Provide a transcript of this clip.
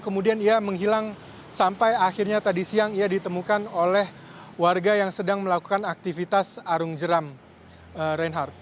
kemudian ia menghilang sampai akhirnya tadi siang ia ditemukan oleh warga yang sedang melakukan aktivitas arung jeram reinhardt